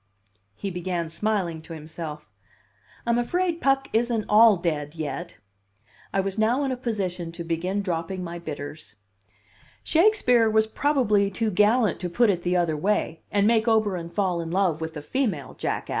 He began smiling to himself. "I'm afraid Puck isn't all dead yet." I was now in a position to begin dropping my bitters. "Shakespeare was probably too gallant to put it the other way, and make Oberon fall in love with a female jackass.